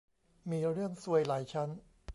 มีเรื่องซวยหลายชั้น